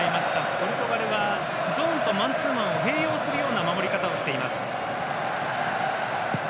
ポルトガルはゾーンとマンツーマンを併用するような守り方をしています。